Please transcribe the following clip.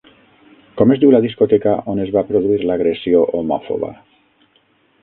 Com es diu la discoteca on es va produir l'agressió homòfoba?